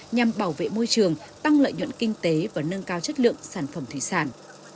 nhằm bảo vệ môi trường tăng lợi nhuận kinh tế và nâng cao chất lượng sản phẩm thủy sản